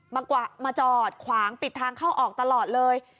มาจอดขวางปิดทางเข้าออกตลอดเลย